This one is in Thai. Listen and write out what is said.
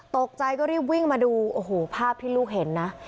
ตกใจก็รีบวิ่งมาดูโอ้โหภาพที่ลูกเห็นนะ